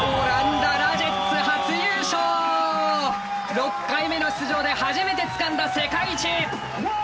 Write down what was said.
６回目の出場で初めてつかんだ世界一！